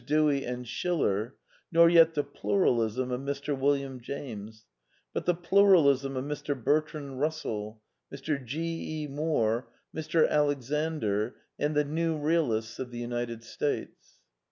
Dewey and Schiller," nor yet the Pluralism of Mr. Wil liam James, but the Pluralism of Mr. Bertrand Bussell, Mr. G. E. Moore, Mr. Alexander, and the new realists of the United States.